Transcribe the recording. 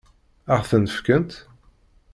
Ad ɣ-ten-fkent?